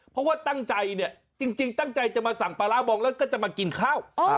เพราะว่าตั้งใจเนี่ยจริงตั้งใจจะมาสั่งปลาร้าบองแล้วก็จะมากินข้าว